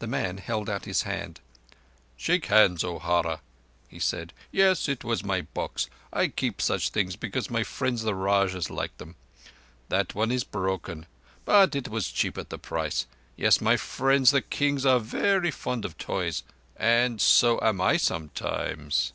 The man held out his hand. "Shake hands, O'Hara," he said. "Yes, it was my box. I keep such things because my friends the Rajahs like them. That one is broken, but it was cheap at the price. Yes, my friends, the Kings, are very fond of toys—and so am I sometimes."